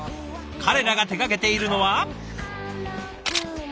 彼らが手がけているのは。